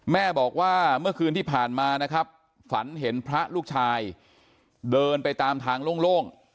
แม่บอกว่าเมื่อคืนที่ผ่านมานะครับฝันเห็นพระลูกชายเดินไปตามทางโล่ง